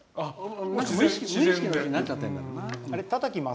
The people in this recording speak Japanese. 無意識になっちゃってるんだろうね。